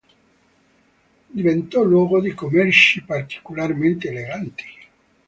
Diventò luogo di commerci particolarmente eleganti.